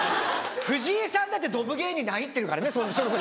藤井さんだってドブ芸人で入ってるからね。